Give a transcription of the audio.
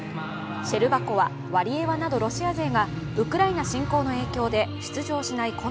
シェルバコワ、ワリエワなどロシア勢がウクライナ侵攻の影響で出場しない